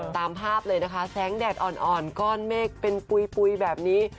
ตามภาพเลยนะคะแสงแดดอ่อนก้อนเมฆเป็นปุ๋ยแบบนี้